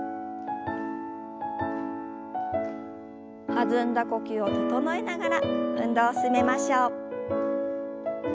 弾んだ呼吸を整えながら運動を進めましょう。